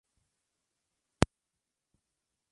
Mstislav Rostropóvich, cello.